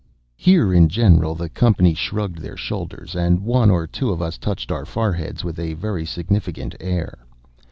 Here, in general, the company shrugged their shoulders, and one or two of us touched our foreheads with a very significant air.